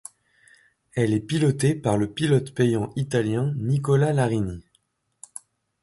Elle est pilotée par le pilote-payant italien Nicola Larini.